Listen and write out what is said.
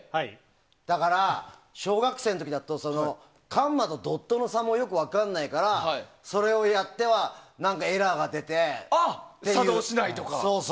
だから、小学生の時だとカンマとドットの差もよく分からないからそれをやってはエラーが出てっていう。